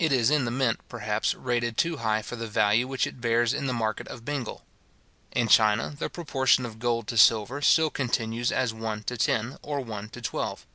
It is in the mint, perhaps, rated too high for the value which it bears in the market of Bengal. In China, the proportion of gold to silver still continues as one to ten, or one to twelve.